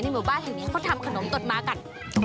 ในหมู่บ้านนี้เขาทำขนมตอบมากัน